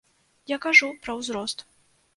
Я кажу пра узрост.